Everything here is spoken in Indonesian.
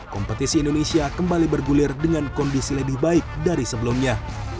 kompetisi indonesia kembali bergulir dengan kondisi lebih baik dari sebelumnya